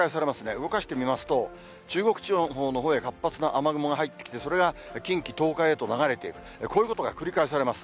動かしてみますと、中国地方のほうへ活発な雨雲が入ってきて、それが近畿、東海へと流れていく、こういうことが繰り返されます。